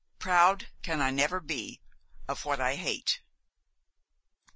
'PROUD CAN I NEVER BE OF WHAT I HATE.'